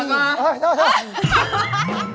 เฮ้ยเท่า